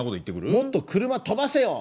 「もっと車飛ばせよ！